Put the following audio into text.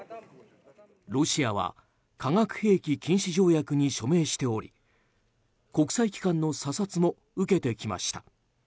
ロシアは化学兵器禁止条約に署名しており国際機関の査察も受けてきました。